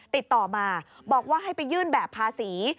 ติดต่อมาบอกว่าให้ไปยื่นแบบภาษี